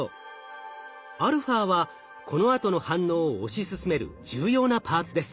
αはこのあとの反応を推し進める重要なパーツです。